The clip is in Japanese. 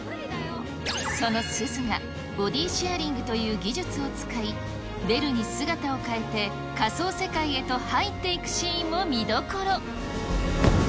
そのすずが、ボディシェアリングという技術を使い、ベルに姿を変えて、仮想世界へと入っていくシーンも見どころ。